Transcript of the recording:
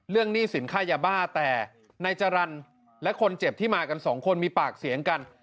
หนี้สินค่ายาบ้าแต่นายจรรย์และคนเจ็บที่มากันสองคนมีปากเสียงกัน